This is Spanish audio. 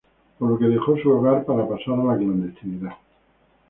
Por lo que dejó su hogar para pasar a la clandestinidad.